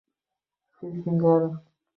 Fil singari